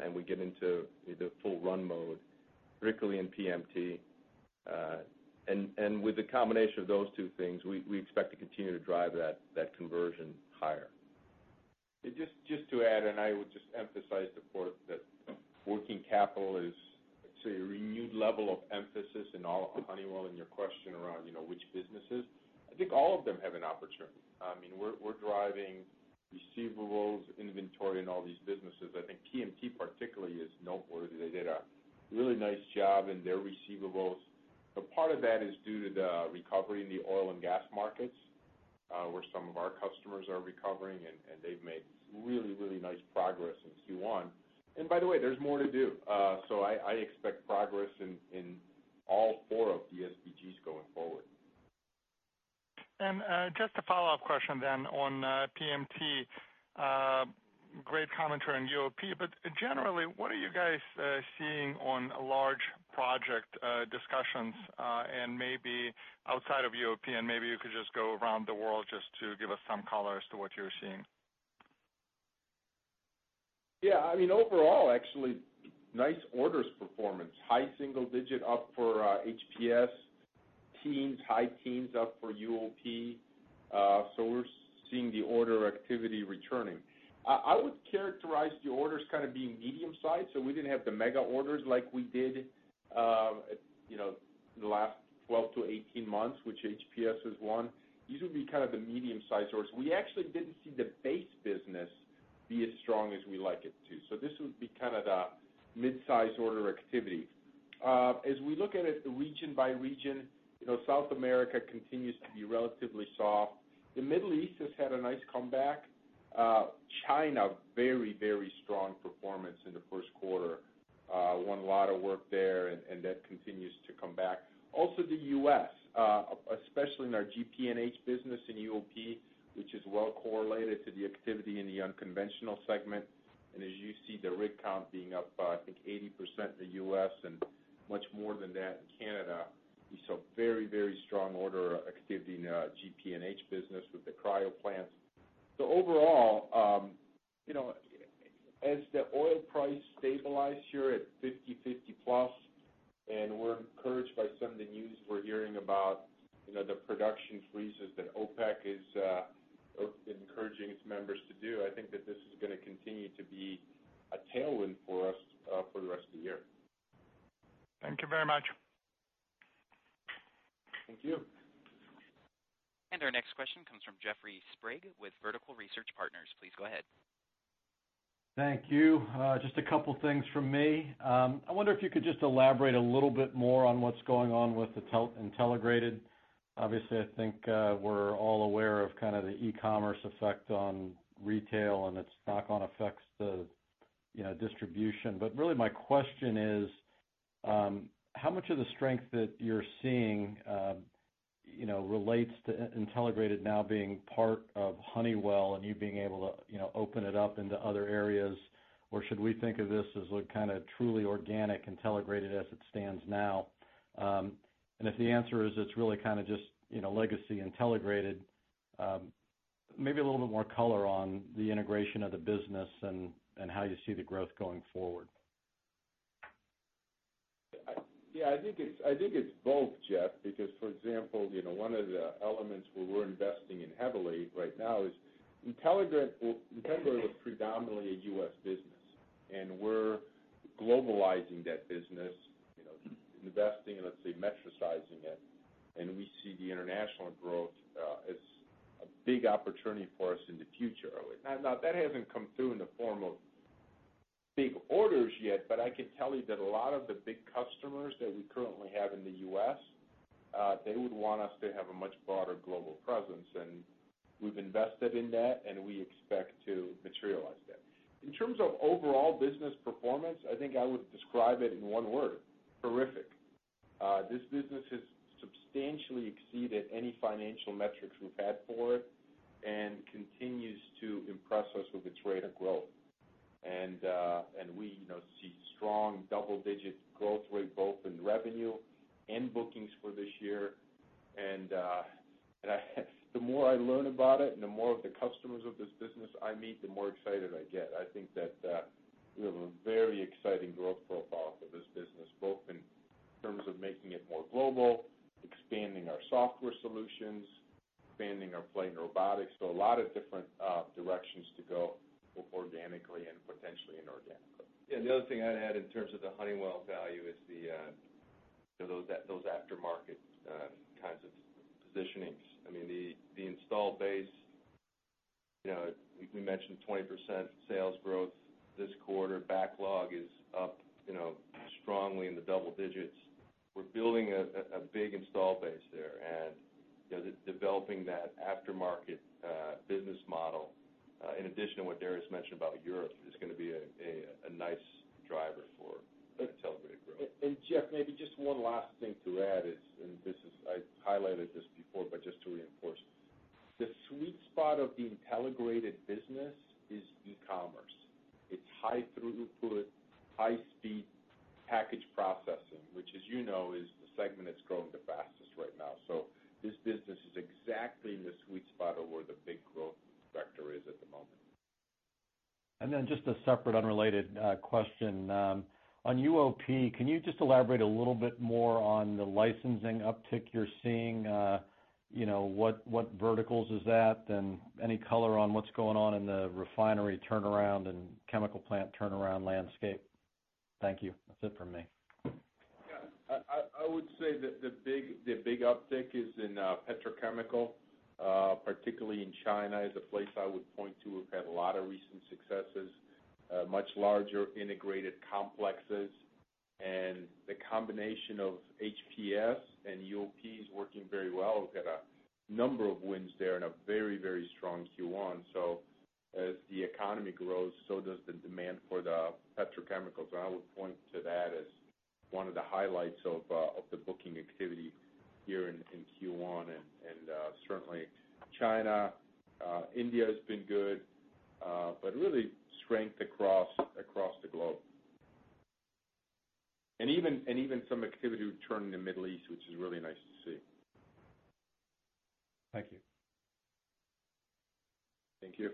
and we get into the full run mode, particularly in PMT. With the combination of those two things, we expect to continue to drive that conversion higher. Just to add, I would just emphasize the point that working capital is, let's say, a renewed level of emphasis in all of Honeywell. Your question around which businesses, I think all of them have an opportunity. We're driving receivables, inventory in all these businesses. I think PMT particularly is noteworthy. They did a really nice job in their receivables. Part of that is due to the recovery in the oil and gas markets, where some of our customers are recovering, and they've made really nice progress in Q1. By the way, there's more to do. I expect progress in all four of the SBGs going forward. Just a follow-up question on PMT. Great commentary on UOP, generally, what are you guys seeing on large project discussions, maybe outside of UOP, maybe you could just go around the world just to give us some color as to what you're seeing. Overall, actually, nice orders performance. High single digit up for HPS. Teens, high teens up for UOP. We're seeing the order activity returning. I would characterize the orders kind of being medium-sized, so we didn't have the mega orders like we did in the last 12-18 months, which HPS has won. These would be kind of the medium-sized orders. We actually didn't see the base business be as strong as we like it to. This would be kind of the mid-size order activity. As we look at it region by region, South America continues to be relatively soft. The Middle East has had a nice comeback. China, very strong performance in the first quarter. Won a lot of work there, that continues to come back. Also the U.S., especially in our GP&H business in UOP, which is well correlated to the activity in the unconventional segment. As you see the rig count being up by, I think, 80% in the U.S. and much more than that in Canada, we saw very strong order activity in our GP&H business with the cryo plants. Overall, as the oil price stabilizes here at $50 plus, we're encouraged by some of the news we're hearing about the production freezes that OPEC is encouraging its members to do. I think that this is going to continue to be a tailwind for us for the rest of the year. Thank you very much. Thank you. Our next question comes from Jeffrey Sprague with Vertical Research Partners. Please go ahead. Thank you. Just a couple things from me. I wonder if you could just elaborate a little bit more on what's going on with Intelligrated. Obviously, I think we're all aware of kind of the e-commerce effect on retail and its knock-on effects to distribution. Really my question is, how much of the strength that you're seeing relates to Intelligrated now being part of Honeywell and you being able to open it up into other areas? Or should we think of this as a kind of truly organic Intelligrated as it stands now? If the answer is it's really kind of just legacy Intelligrated, maybe a little bit more color on the integration of the business and how you see the growth going forward. Yeah, I think it's both, Jeff, because for example, one of the elements where we're investing in heavily right now is Intelligrated was predominantly a U.S. business, we're globalizing that business, investing and let's say metricizing it. We see the international growth as a big opportunity for us in the future. Now, that hasn't come through in the form of big orders yet, but I can tell you that a lot of the big customers that we currently have in the U.S., they would want us to have a much broader global presence. We've invested in that, and we expect to materialize that. In terms of overall business performance, I think I would describe it in one word: terrific. This business has substantially exceeded any financial metrics we've had for it and continues to impress us with its rate of growth. We see strong double-digit growth rate both in revenue and bookings for this year. The more I learn about it and the more of the customers of this business I meet, the more excited I get. I think that we have a very exciting growth profile for this business, both in terms of making it more global, expanding our software solutions, expanding our play in robotics. A lot of different directions to go, both organically and potentially inorganically. The other thing I'd add in terms of the Honeywell value is those aftermarket kinds of positionings. The install base, we mentioned 20% sales growth this quarter. Backlog is up strongly in the double digits. We're building a big install base there, and developing that aftermarket business model, in addition to what Darius mentioned about Europe, is going to be a nice driver for Intelligrated growth. Jeff, maybe just one last thing to add is, I highlighted this before, but just to reinforce. The sweet spot of the Intelligrated business is e-commerce. It's high throughput, high-speed package processing, which as you know, is the segment that's growing the fastest right now. This business is exactly in the sweet spot of where the big growth vector is at the moment. Then just a separate unrelated question. On UOP, can you just elaborate a little bit more on the licensing uptick you're seeing, what verticals is that, and any color on what's going on in the refinery turnaround and chemical plant turnaround landscape? Thank you. That's it for me. Yeah. I would say that the big uptick is in petrochemical, particularly in China, is a place I would point to. We've had a lot of recent successes, much larger integrated complexes, and the combination of HPS and UOP is working very well. We've got a number of wins there in a very strong Q1. As the economy grows, so does the demand for the petrochemicals. I would point to that as one of the highlights of the booking activity here in Q1. Certainly China, India has been good, but really strength across the globe. Even some activity returning in the Middle East, which is really nice to see. Thank you. Thank you.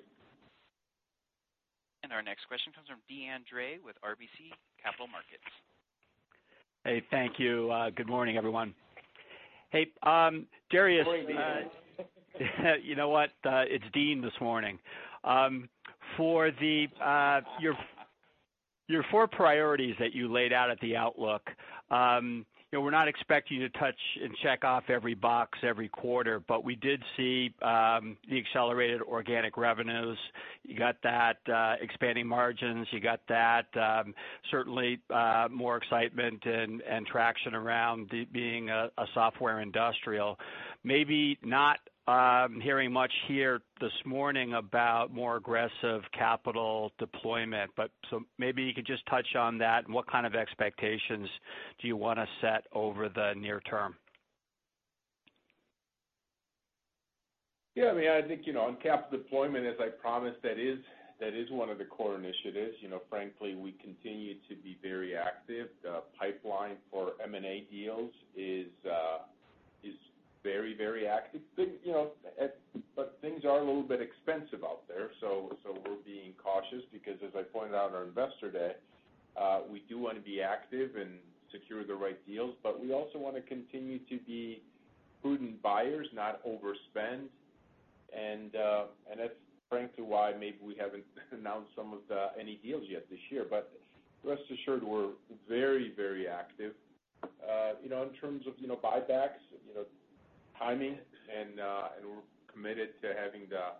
Our next question comes from Deane Dray with RBC Capital Markets. Hey, thank you. Good morning, everyone. Hey, Darius. Morning, Deane. You know what? It's Deane this morning. For your four priorities that you laid out at the outlook, we're not expecting you to touch and check off every box every quarter. We did see the accelerated organic revenues. You got that expanding margins, you got that certainly more excitement and traction around being a software industrial. Maybe not hearing much here this morning about more aggressive capital deployment. Maybe you could just touch on that and what kind of expectations do you want to set over the near term? Yeah, I think, on capital deployment, as I promised, that is one of the core initiatives. Frankly, we continue to be very active. The pipeline for M&A deals is very active. Things are a little bit expensive out there, so we're being cautious because as I pointed out on our Investor Day, we do want to be active and secure the right deals. We also want to continue to be prudent buyers, not overspend. That's frankly why maybe we haven't announced any deals yet this year. Rest assured, we're very active. In terms of buybacks, timing, and we're committed to having the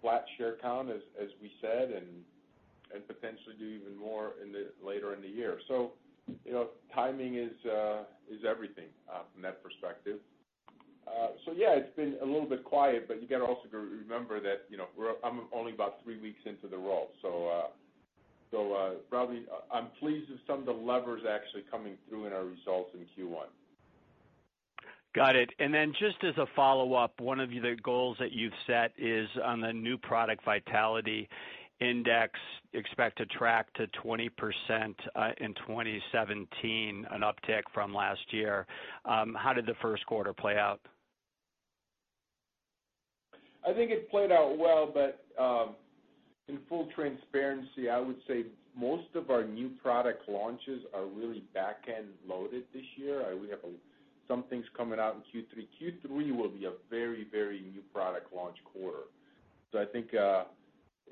flat share count as we said, and potentially do even more later in the year. Timing is everything from that perspective. Yeah, it's been a little bit quiet. You got to also remember that I'm only about three weeks into the role. Robbie, I'm pleased with some of the levers actually coming through in our results in Q1. Got it. Then just as a follow-up, one of the goals that you've set is on the New Product Vitality Index, expect to track to 20% in 2017, an uptick from last year. How did the first quarter play out? I think it played out well, in full transparency, I would say most of our new product launches are really back-end loaded this year. We have some things coming out in Q3. Q3 will be a very new product launch quarter. I think,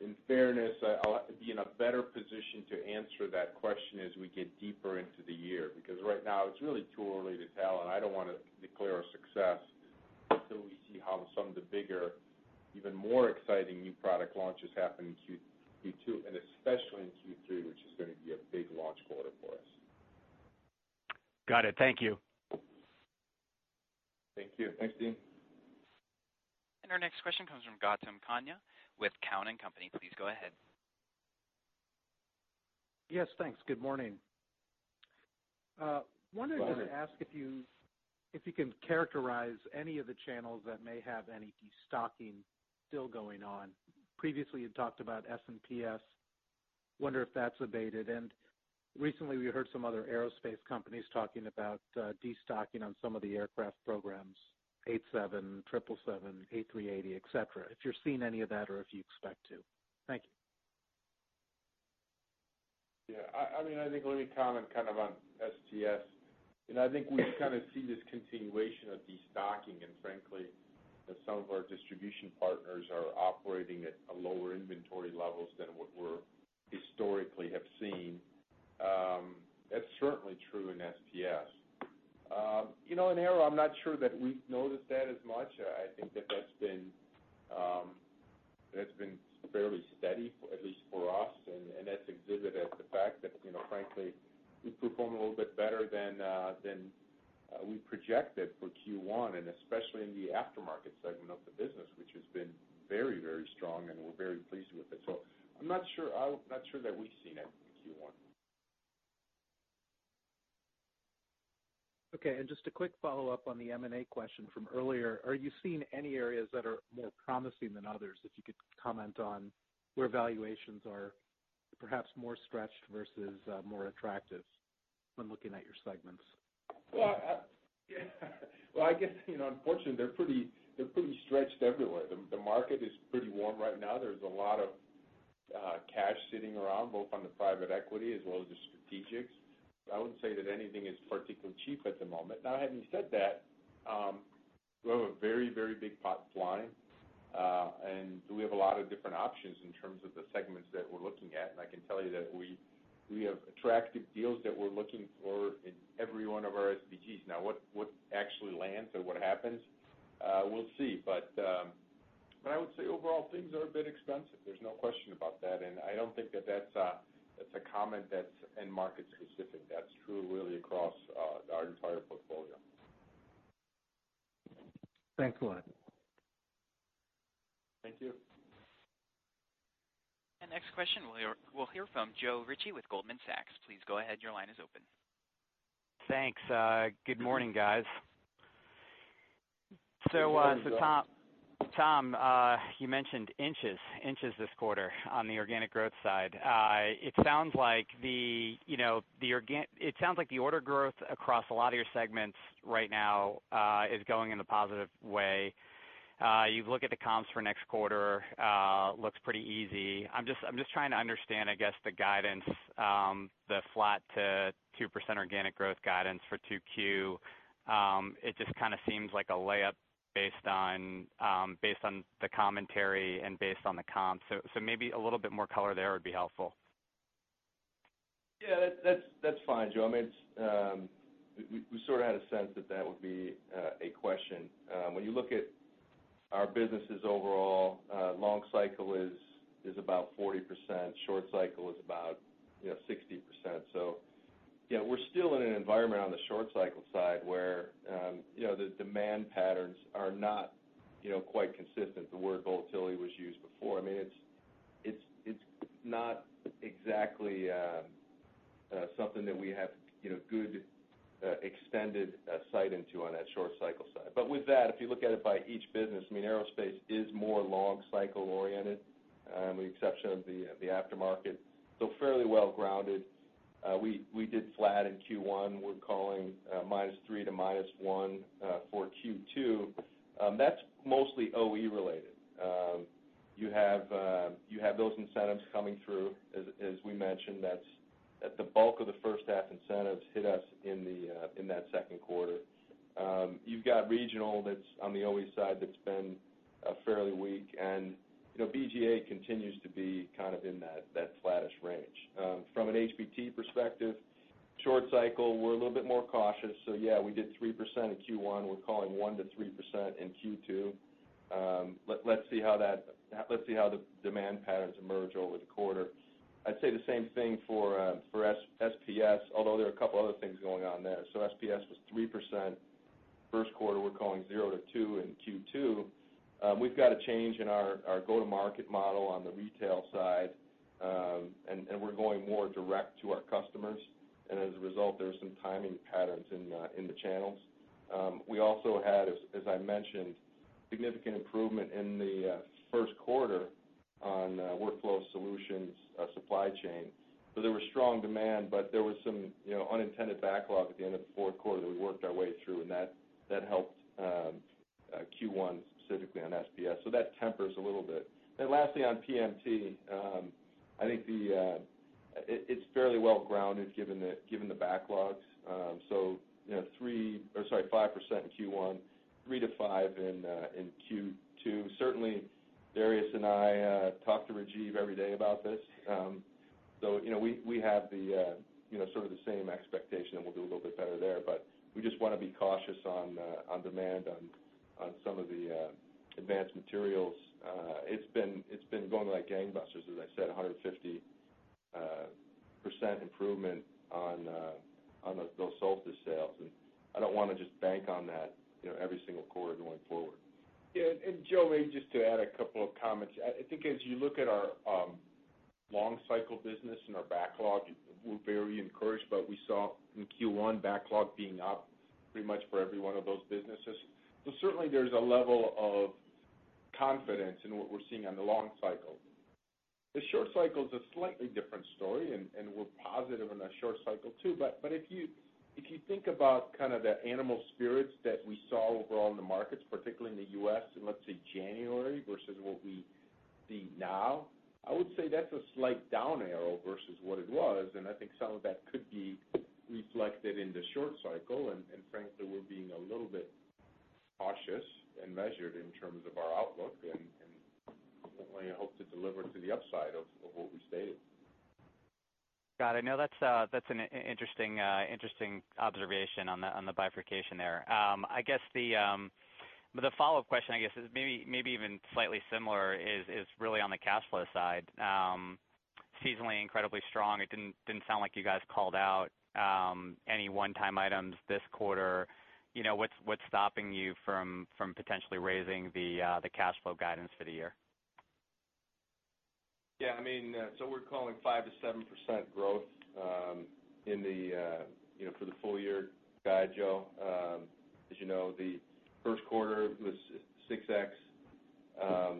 in fairness, I'll be in a better position to answer that question as we get deeper into the year. Right now it's really too early to tell, and I don't want to declare a success until we see how some of the bigger, even more exciting new product launches happen in Q2, and especially in Q3, which is going to be a big launch quarter for us. Got it. Thank you. Thank you. Thanks, Deane. Our next question comes from Gautam Khanna with Cowen and Company. Please go ahead. Yes, thanks. Good morning. Good morning. Wanted to just ask if you can characterize any of the channels that may have any destocking still going on. Previously, you talked about SPS. Wonder if that's abated. Recently we heard some other aerospace companies talking about destocking on some of the aircraft programs, 787, 777, A380, et cetera. If you're seeing any of that or if you expect to. Thank you. Yeah. I think let me comment on SPS. I think we kind of see this continuation of destocking, frankly, as some of our distribution partners are operating at lower inventory levels than what we historically have seen. That's certainly true in SPS. In Aero, I'm not sure that we've noticed that as much. I think that's been fairly steady, at least for us, that's exhibited at the fact that, frankly, we performed a little bit better than we projected for Q1, especially in the aftermarket segment of the business, which has been very strong, and we're very pleased with it. I'm not sure that we've seen it in Q1. Okay, just a quick follow-up on the M&A question from earlier. Are you seeing any areas that are more promising than others that you could comment on where valuations are perhaps more stretched versus more attractive when looking at your segments? Well, I guess, unfortunately, they're pretty stretched everywhere. The market is pretty warm right now. There's a lot of cash sitting around, both on the private equity as well as the strategics. I wouldn't say that anything is particularly cheap at the moment. Having said that, we have a very big pot flying, we have a lot of different options in terms of the segments that we're looking at. I can tell you that we have attractive deals that we're looking for in every one of our SBGs. What actually lands or what happens, we'll see. I would say overall, things are a bit expensive. There's no question about that, I don't think that that's a comment that's end market specific. That's true really across our entire portfolio. Thanks a lot. Thank you. Next question, we'll hear from Joe Ritchie with Goldman Sachs. Please go ahead. Your line is open. Thanks. Good morning, guys. Good morning, Joe. Tom, you mentioned inches this quarter on the organic growth side. It sounds like the order growth across a lot of your segments right now is going in a positive way. You look at the comps for next quarter, looks pretty easy. I am just trying to understand, I guess, the guidance, the flat to 2% organic growth guidance for 2Q. It just kind of seems like a layup based on the commentary and based on the comps. Maybe a little bit more color there would be helpful. That is fine, Joe. We sort of had a sense that that would be a question. When you look at our businesses overall, long cycle is about 40%, short cycle is about 60%. We are still in an environment on the short cycle side where the demand patterns are not quite consistent. The word volatility was used before. It is not exactly something that we have good extended sight into on that short cycle side. With that, if you look at it by each business, aerospace is more long cycle oriented, with the exception of the aftermarket, so fairly well-grounded. We did flat in Q1. We are calling -3% to -1% for Q2. That is mostly OE related. You have those incentives coming through. As we mentioned, the bulk of the first half incentives hit us in that second quarter. You have got regional that is on the OE side that is been fairly weak, and BGA continues to be kind of in that flattish range. From an HBT perspective, short cycle, we are a little bit more cautious. We did 3% in Q1. We are calling 1%-3% in Q2. Let us see how the demand patterns emerge over the quarter. I would say the same thing for SPS, although there are a couple other things going on there. SPS was 3% first quarter. We are calling 0%-2% in Q2. We have got a change in our go-to-market model on the retail side, and we are going more direct to our customers. As a result, there are some timing patterns in the channels. We also had, as I mentioned, significant improvement in the first quarter on Workflow Solutions supply chain. There was strong demand, there was some unintended backlog at the end of the fourth quarter that we worked our way through, and that helped Q1 specifically on SPS. That tempers a little bit. Lastly, on PMT, I think it is fairly well-grounded given the backlogs. 5% in Q1, 3%-5% in Q2. Certainly, Darius and I talk to Rajiv every day about this. We have the sort of the same expectation, and we will do a little bit better there, but we just want to be cautious on demand on some of the advanced materials. It has been going like gangbusters, as I said, 150% improvement on those Solstice sales, and I do not want to just bank on that every single quarter going forward. Joe, maybe just to add a couple of comments. I think as you look at our long-cycle business and our backlog, we're very encouraged by what we saw in Q1 backlog being up pretty much for every one of those businesses. Certainly, there's a level of confidence in what we're seeing on the long cycle. The short cycle is a slightly different story, we're positive on the short cycle too. If you think about kind of the animal spirits that we saw overall in the markets, particularly in the U.S., in let's say January versus what we see now, I would say that's a slight down arrow versus what it was, I think some of that could be reflected in the short cycle. Frankly, we're being a little bit cautious and measured in terms of our outlook and certainly hope to deliver to the upside of what we stated. Got it. No, that's an interesting observation on the bifurcation there. The follow-up question, I guess is maybe even slightly similar, is really on the cash flow side. Seasonally incredibly strong. It didn't sound like you guys called out any one-time items this quarter. What's stopping you from potentially raising the cash flow guidance for the year? Yeah. We're calling 5%-7% growth for the full year guide, Joe. As you know, the first quarter was 6x.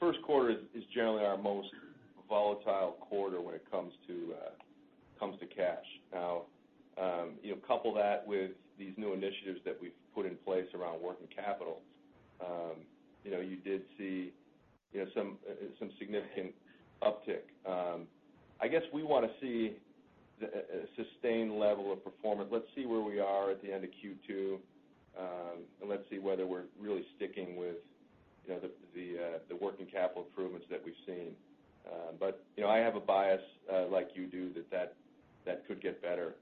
First quarter is generally our most volatile quarter when it comes to cash. Couple that with these new initiatives that we've put in place around working capital. You did see some significant uptick. I guess we want to see a sustained level of performance. Let's see where we are at the end of Q2, let's see whether we're really sticking with the working capital improvements that we've seen. I have a bias, like you do, that could get better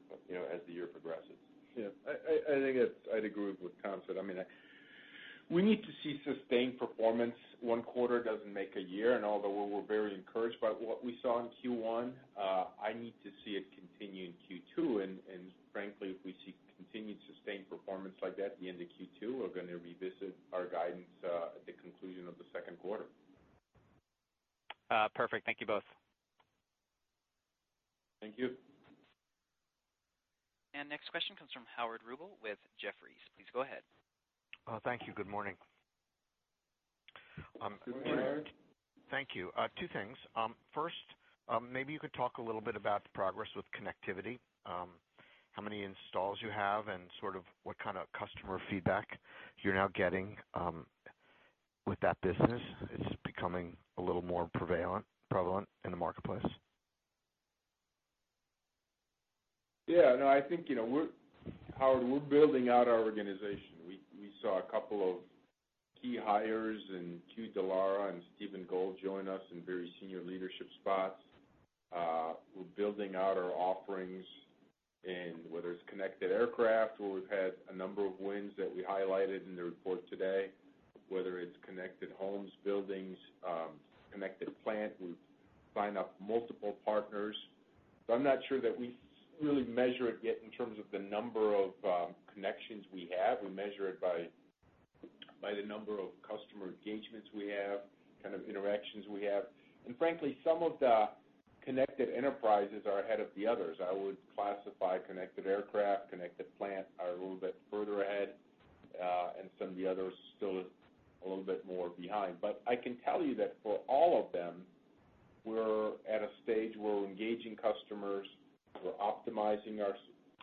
as the year progresses. Yeah. I think I'd agree with what Tom said. We need to see sustained performance. One quarter doesn't make a year, although we're very encouraged by what we saw in Q1, I need to see it continue in Q2. Frankly, if we see continued sustained performance like that at the end of Q2, we're going to revisit our guidance at the conclusion of the second quarter. Perfect. Thank you both. Thank you. Next question comes from Howard Rubel with Jefferies. Please go ahead. Thank you. Good morning. Good morning, Howard. Thank you. Two things. First, maybe you could talk a little bit about the progress with connectivity. How many installs you have and sort of what kind of customer feedback you're now getting with that business. Is it becoming a little more prevalent in the marketplace? Yeah, no, I think, Howard, we're building out our organization. We saw a couple of key hires in Darius and Stephen Gold join us in very senior leadership spots. We're building out our offerings, whether it's connected aircraft, where we've had a number of wins that we highlighted in the report today, whether it's connected homes, buildings, connected plant. We've signed up multiple partners. I'm not sure that we really measure it yet in terms of the number of connections we have. We measure it by the number of customer engagements we have, kind of interactions we have. Frankly, some of the connected enterprises are ahead of the others. I would classify connected aircraft, connected plant are a little bit further ahead, and some of the others still a little bit more behind. I can tell you that for all of them, we're at a stage, we're engaging customers, we're optimizing our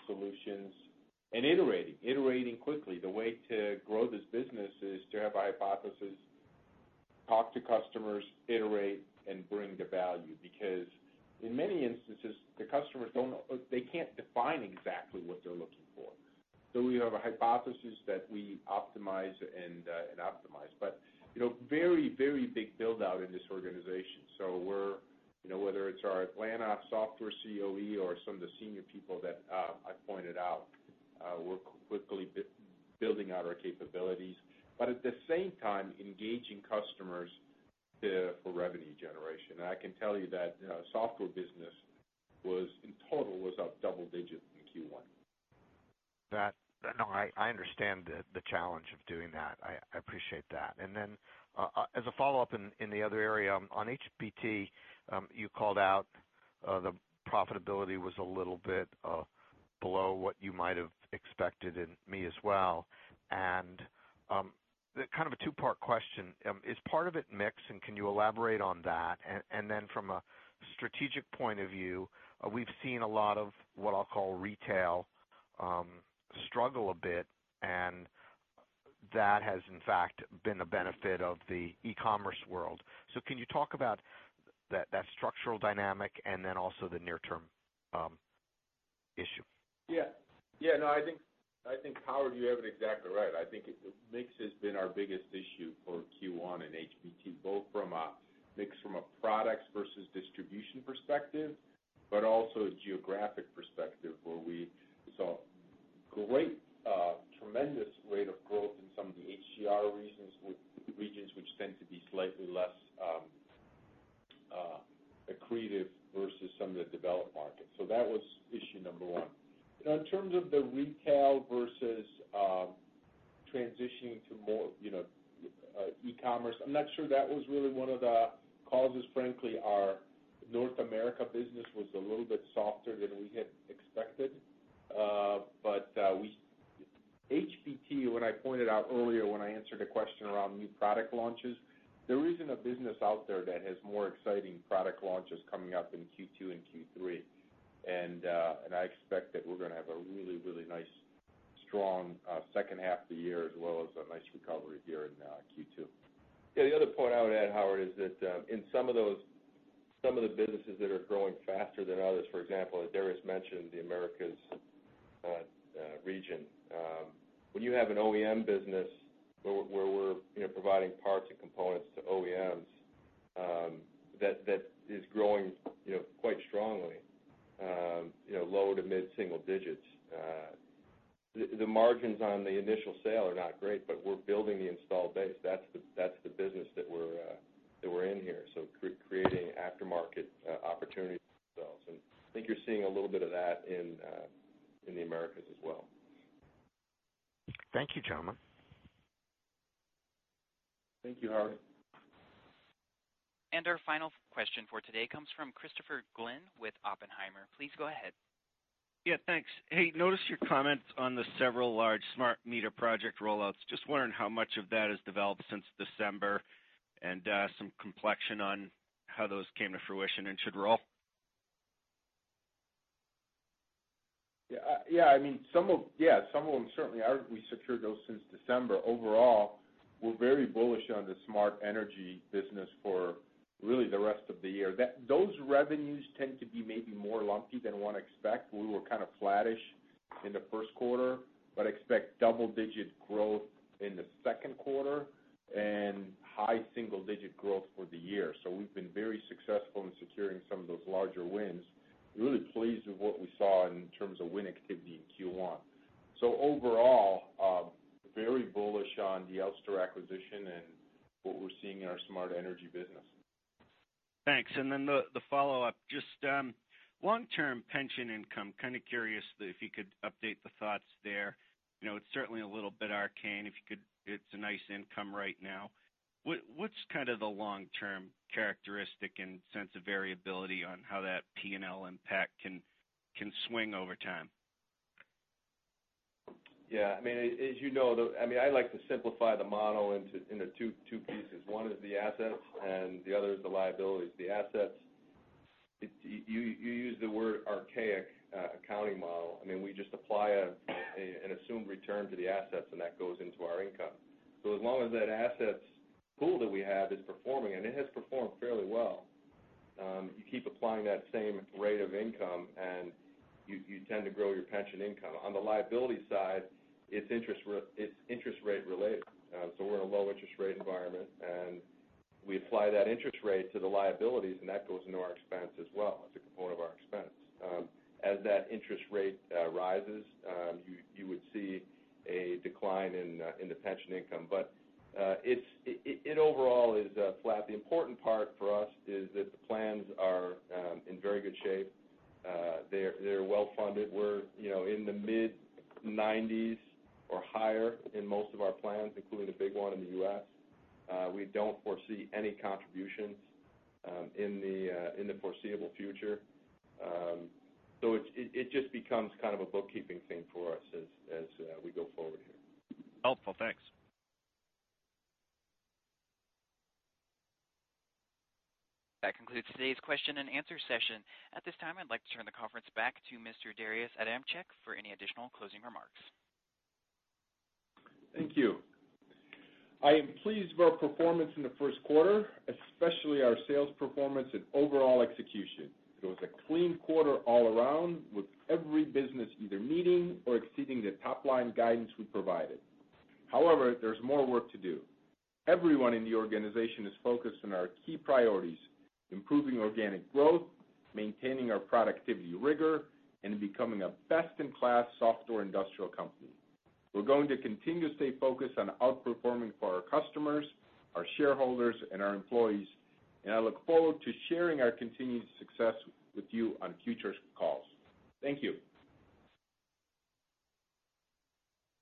solutions, and iterating quickly. The way to grow this business is to have a hypothesis, talk to customers, iterate, and bring the value. Because in many instances, the customers can't define exactly what they're looking for. We have a hypothesis that we optimize and optimize. Very big build-out in this organization. Whether it's our Atlanta software COE or some of the senior people that I pointed out, we're quickly building out our capabilities. At the same time, engaging customers for revenue generation. I can tell you that software business in total was up double digit in Q1. No, I understand the challenge of doing that. I appreciate that. As a follow-up in the other area, on HBT you called out the profitability was a little bit below what you might have expected, and me as well. Kind of a two-part question. Is part of it mix, and can you elaborate on that? From a strategic point of view, we've seen a lot of what I'll call retail struggle a bit, and that has in fact been a benefit of the e-commerce world. Can you talk about that structural dynamic and then also the near-term issue? Yeah. I think, Howard, you have it exactly right. I think mix has been our biggest issue for Q1 and HBT, both from a mix from a products versus distribution perspective, but also a geographic perspective where we saw tremendous rate of growth in some of the HGR regions which tend to be slightly less accretive versus some of the developed markets. That was issue number one. In terms of the retail versus transitioning to more e-commerce, I'm not sure that was really one of the causes. Frankly, our North America business was a little bit softer than we had expected. HBT, what I pointed out earlier when I answered a question around new product launches, there isn't a business out there that has more exciting product launches coming up in Q2 and Q3. I expect that we're going to have a really nice, strong second half of the year as well as a nice recovery here in Q2. The other point I would add, Howard, is that in some of the businesses that are growing faster than others, for example, as Darius mentioned, the Americas region. When you have an OEM business where we're providing parts and components to OEMs that is growing quite strongly, low to mid-single digits. The margins on the initial sale are not great, but we're building the installed base. That's the business that we're in here. Creating aftermarket opportunities for ourselves, and I think you're seeing a little bit of that in the Americas as well. Thank you, gentlemen. Thank you, Howard. Our final question for today comes from Christopher Glynn with Oppenheimer. Please go ahead. Yeah, thanks. Hey, noticed your comment on the several large smart meter project rollouts. Just wondering how much of that has developed since December, and some complexion on how those came to fruition and should roll. Yeah. Some of them, certainly, we secured those since December. Overall, we're very bullish on the smart energy business for really the rest of the year. Those revenues tend to be maybe more lumpy than one expect. We were kind of flattish in the first quarter, but expect double-digit growth in the second quarter and high single-digit growth for the year. We've been very successful in securing some of those larger wins. Really pleased with what we saw in terms of win activity in Q1. Overall, very bullish on the Elster acquisition and what we're seeing in our smart energy business. Thanks. The follow-up, just long-term pension income, kind of curious if you could update the thoughts there. It's certainly a little bit arcane. It's a nice income right now. What's the long-term characteristic and sense of variability on how that P&L impact can swing over time? Yeah. I like to simplify the model into two pieces. One is the assets, and the other is the liabilities. The assets, you use the word archaic accounting model. We just apply an assumed return to the assets, and that goes into our income. As long as that assets pool that we have is performing, and it has performed fairly well, you keep applying that same rate of income, and you tend to grow your pension income. On the liability side, it's interest rate related. We're in a low interest rate environment, and we apply that interest rate to the liabilities, and that goes into our expense as well. It's a component of our expense. As that interest rate rises, you would see a decline in the pension income. It overall is flat. The important part for us is that the plans are in very good shape. They're well-funded. We're in the mid-90s or higher in most of our plans, including the big one in the U.S. We don't foresee any contributions in the foreseeable future. It just becomes kind of a bookkeeping thing for us as we go forward here. Helpful. Thanks. That concludes today's question-and-answer session. At this time, I'd like to turn the conference back to Mr. Darius Adamczyk for any additional closing remarks. Thank you. I am pleased with our performance in the first quarter, especially our sales performance and overall execution. It was a clean quarter all around, with every business either meeting or exceeding the top-line guidance we provided. However, there's more work to do. Everyone in the organization is focused on our key priorities, improving organic growth, maintaining our productivity rigor, and becoming a best-in-class software industrial company. We're going to continue to stay focused on outperforming for our customers, our shareholders, and our employees, and I look forward to sharing our continued success with you on future calls. Thank you.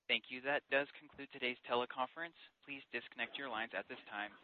Thank you. That does conclude today's teleconference. Please disconnect your lines at this time.